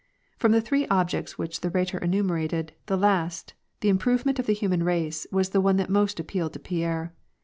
From the three objects which the Rhetor enumerated, the last, the improvement of the human race, was the one that most appealed to Pierre.